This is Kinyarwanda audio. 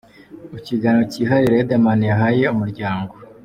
Mu kiganiro kihariye Ridermana yahaye Umuryango.